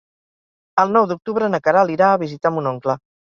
El nou d'octubre na Queralt irà a visitar mon oncle.